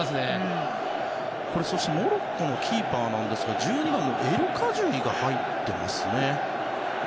モロッコのキーパーですが１２番のエルカジュイが入っています。